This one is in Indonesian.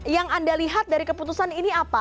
yang anda lihat dari keputusan ini apa